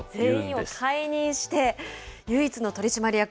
全員を解任して、唯一の取締役。